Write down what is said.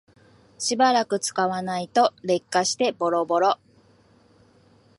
しばらく使わないと劣化してボロボロ